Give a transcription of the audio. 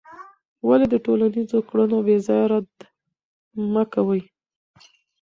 ولې د ټولنیزو کړنو بېځایه رد مه کوې؟